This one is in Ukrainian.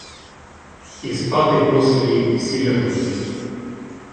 І спати послі всі лягли.